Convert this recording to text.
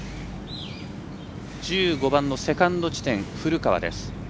１５番のセカンド地点、古川です。